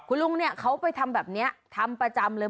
คุณลุงเนี่ยเขาไปทำแบบนี้ทำประจำเลย